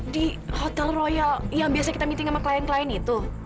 di hotel royal yang biasa kita meeting sama klien klien itu